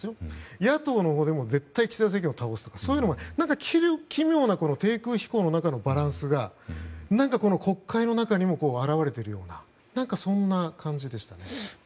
野党のほうでも絶対岸田政権を倒すというかそういう奇妙な低空飛行の中でのバランスが何か国会の中にも表れているような感じでしたね。